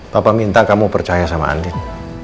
papa minta kamu percaya sama andin